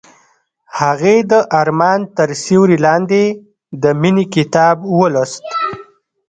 هغې د آرمان تر سیوري لاندې د مینې کتاب ولوست.